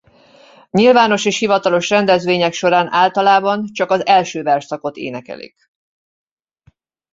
Nyilvános és hivatalos rendezvények során általában csak az első versszakot énekelik.